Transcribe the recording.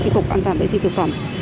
cho tri cục an toàn vệ sinh thực phẩm